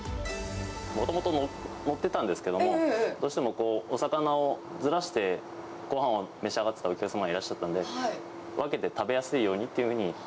もともと載ってたんですけども、どうしてもお魚をずらしてごはんを召し上がってたお客様がいらっしゃったので、分けて食べやすいようにって。